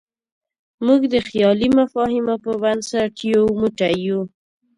موږ د خیالي مفاهیمو په بنسټ یو موټی یو.